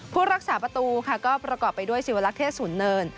ผู้รักษาประตูค่ะก็ประกอบไปด้วยศิวลักษุลเนิน